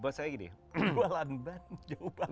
buat saya gini jualan ban cukup